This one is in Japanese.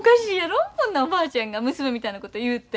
こんなおばあちゃんが娘みたいなこと言うて。